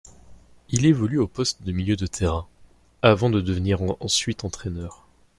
Il évolue au poste de milieu de terrain, avant de devenir ensuite entraîneur.